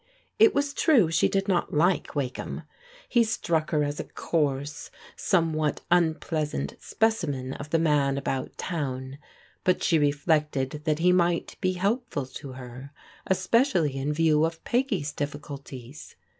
It was true she did not like Wakeham. He struck her as a coarse, somewhat unpleasant specimen of the man about town, but she reflected that he might be helpful to her, especially in view of Peggy's difficulties.